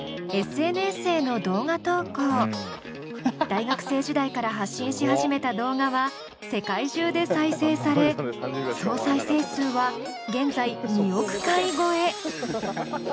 大学生時代から発信し始めた動画は世界中で再生され総再生数は現在２億回超え！